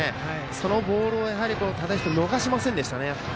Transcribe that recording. そのボールを只石君逃しませんでしたね。